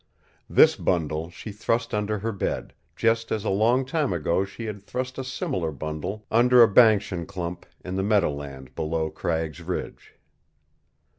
This bundle she thrust under her bed, just as a long time ago she had thrust a similar bundle under a banksian clump in the meadowland below Cragg's Ridge.